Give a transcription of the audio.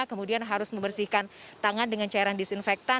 kemudian harus membersihkan tangan dengan cairan disinfektan